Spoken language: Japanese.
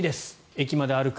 駅まで歩く。